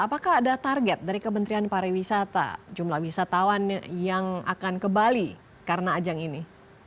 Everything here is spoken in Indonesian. apakah ada target dari kementerian pariwisata jumlah wisatawan yang akan ke bali karena ajang ini